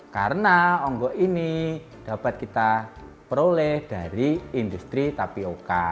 karena ongok ini dapat kita peroleh dari industri tapioka